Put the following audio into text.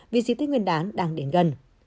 vì di tích nguyên đán đang đến gần